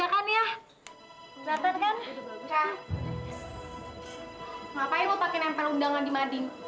eh denger ya